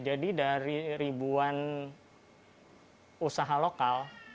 jadi dari ribuan usaha lokal